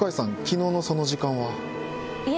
昨日のその時間は？